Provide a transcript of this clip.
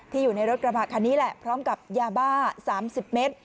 อยู่ในรถกระบะคันนี้แหละพร้อมกับยาบ้า๓๐เมตร